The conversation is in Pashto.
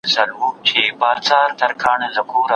ایا ته لا هم ساه اخلې؟